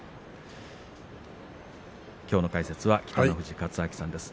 きょうの解説は北の富士勝昭さんです。